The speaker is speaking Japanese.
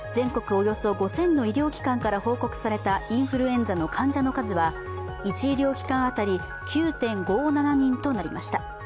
およそ５０００の医療機関から報告されたインフルエンザの患者の数は１医療機関当たり、９．５７人となりました。